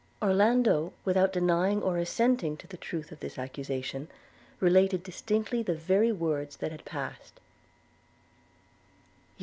Orlando, without denying or assenting to the truth of this accusation, related distinctly the very words that had passed.